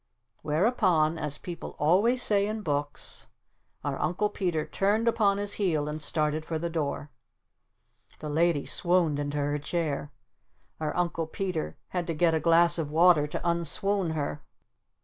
Whereupon, as people always say in books, our Uncle Peter turned upon his heel and started for the door. The Lady swooned into her chair. Our Uncle Peter had to get a glass of water to un swoon her.